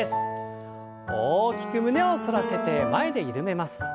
大きく胸を反らせて前で緩めます。